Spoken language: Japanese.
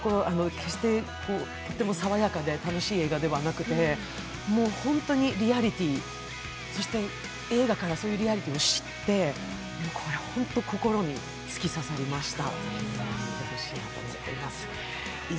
決して爽やかで楽しい映画ではなくて、もう本当にリアリティー、そして映画からそういうリアリティーを知ってこれ本当に心に突き刺さりました。